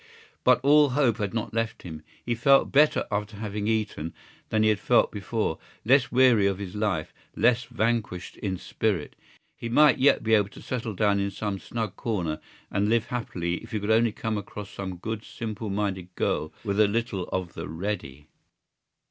But all hope had not left him. He felt better after having eaten than he had felt before, less weary of his life, less vanquished in spirit. He might yet be able to settle down in some snug corner and live happily if he could only come across some good simple minded girl with a little of the ready.